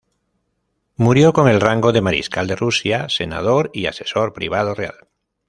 Murió con el rango de mariscal de Rusia, senador y asesor privado real.